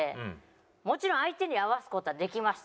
もちろん相手に合わす事はできます。